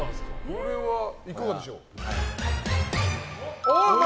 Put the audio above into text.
これはいかがでしょう。